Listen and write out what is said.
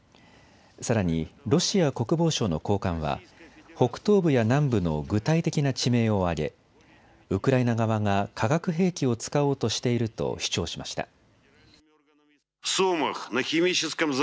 さらにロシア国防省の高官は北東部や南部の具体的な地名を挙げ、ウクライナ側が化学兵器を使おうとしていると主張しました。